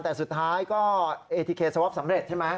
แต่สุดท้ายก็เอทีเคสวอปสำเร็จใช่ไหม